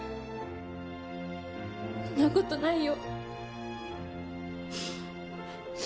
そんなことないよ